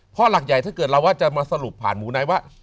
พอลักใหญ่ถ้าเกิดเราจ่ามาสรุปผ่านหมู่นายแวะ